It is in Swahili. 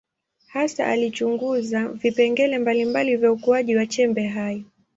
Hasa alichunguza vipengele mbalimbali vya ukuaji wa chembe hai.